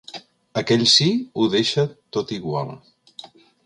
Aquell sí ho deixa tot igual.